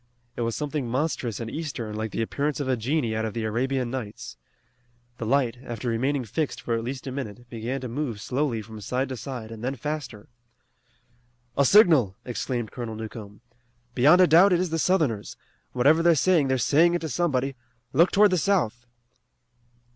It was something monstrous and eastern, like the appearance of a genie out of the Arabian Nights. The light, after remaining fixed for at least a minute, began to move slowly from side to side and then faster. "A signal!" exclaimed Colonel Newcomb. "Beyond a doubt it is the Southerners. Whatever they're saying they're saying it to somebody. Look toward the south!"